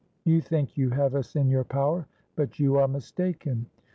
You think you have us in your power; but you are mistaken.